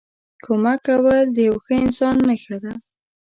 کمک کول د یوه ښه انسان نښه ده.